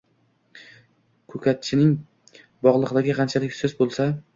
ko‘katchining bog‘liqligi qanchalik sust bo‘lsa